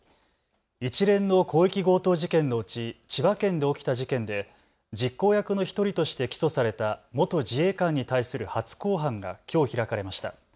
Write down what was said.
一連の広域強盗事件のうち千葉県で起きた事件で実行役の１人として起訴された元自衛官に対する初公判がきょう開かれました。